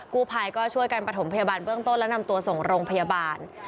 กู้ภัยก็ช่วยกันประถมพยาบาลเบื้องต้นและนำตัวส่งโรงพยาบาล